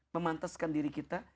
memanteskan diri kita